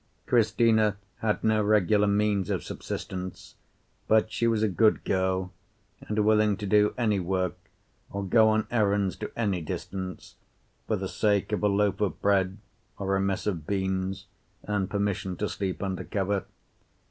Cristina had no regular means of subsistence, but she was a good girl and willing to do any work or go on errands to any distance for the sake of a loaf of bread or a mess of beans, and permission to sleep under cover.